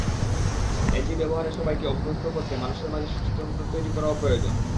এটি ব্যবহারে সবাইকে অভ্যস্ত করতে মানুষের মাঝে সচেতনতা তৈরি করাও প্রয়োজন।